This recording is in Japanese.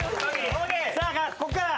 さあ、ここから！